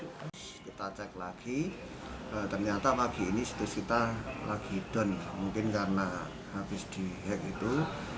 terus kita cek lagi ternyata pagi ini situs kita lagi down mungkin karena habis di hack itu